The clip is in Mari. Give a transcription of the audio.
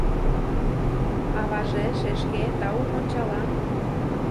Аваже, шешке, тау мончалан.